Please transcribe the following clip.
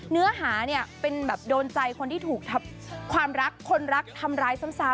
เนื้อหาเป็นโดนใจคนที่ถูกทำความรักคนรักทำร้ายซ้ำ